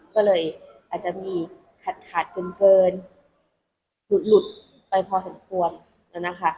ก็เลยอาจจะมีขาดขาดเกินหลุดหลุดไปพอสมควรแล้วนะคะ